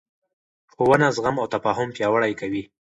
ښوونه زغم او تفاهم پیاوړی کوي